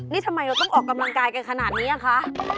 นี่ทำไมเราต้องออกกำลังกายกันขนาดนี้อ่ะคะ